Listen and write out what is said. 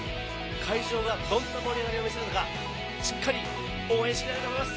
会場がどんな盛り上がりを見せるのかしっかり応援してきたいと思います。